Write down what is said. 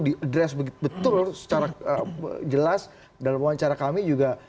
di address betul secara jelas dalam wawancara kami juga